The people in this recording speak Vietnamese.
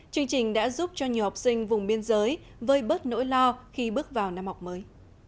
chương trình đã giúp cho nhiều học sinh vùng biên giới vơi bớt nỗi lo khi bước vào năm học mới